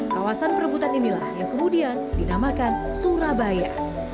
kawasan perebutan inilah yang kemudian dinamakan surabaya